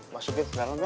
masukin ke dalem ya